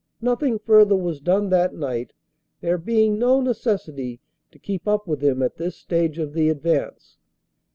Nothing further was done that night, there being no necessity to keep up with him at this stage of the advance.